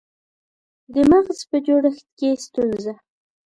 د مغز په جوړښت کې ستونزه